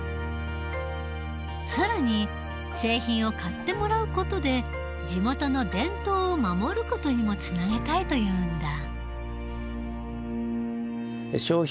更に製品を買ってもらう事で地元の伝統を守る事にもつなげたいというんだ。